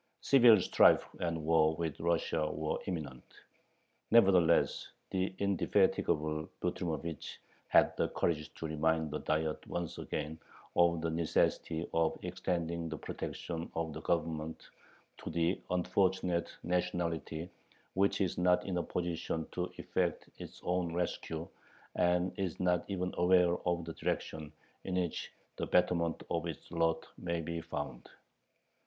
Civil strife and war with Russia were imminent. Nevertheless the indefatigable Butrymovich had the courage to remind the Diet once again of the necessity of extending the protection of the Government to "the unfortunate nationality which is not in a position to effect its own rescue, and is not even aware of the direction in which the betterment of its lot may be found."